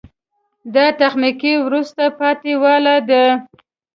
دا تخنیکي وروسته پاتې والی ده.